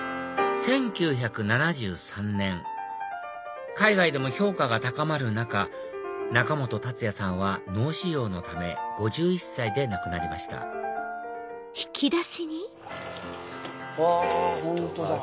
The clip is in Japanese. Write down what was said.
１９７３年海外でも評価が高まる中中本達也さんは脳腫瘍のため５１歳で亡くなりましたうわ